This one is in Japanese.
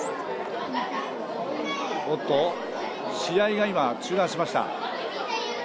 試合が今、中断しました。